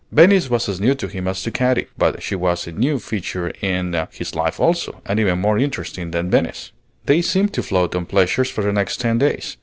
Venice was as new to him as to Katy; but she was a new feature in his life also, and even more interesting than Venice. They seemed to float on pleasures for the next ten days.